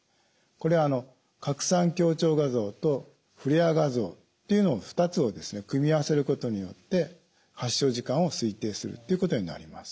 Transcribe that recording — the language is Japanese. これは拡散強調画像とフレアー画像という２つを組み合わせることによって発症時間を推定するということになります。